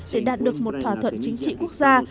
để đạt được một thỏa thuận chính trị quốc gia